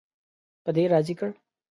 په دې راضي کړ.